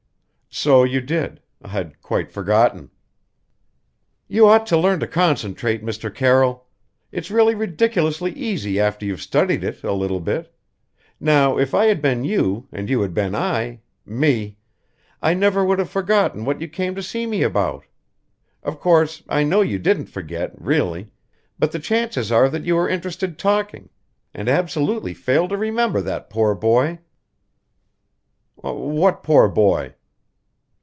"So you did. I'd quite forgotten " "You ought to learn to concentrate, Mr. Carroll. It's really ridiculously easy after you've studied it a little bit. Now if I had been you, and you had been I me I never would have forgotten what you came to see me about. Of course, I know you didn't forget, really; but the chances are that you were interested talking, and absolutely failed to remember that poor boy." "What poor boy?"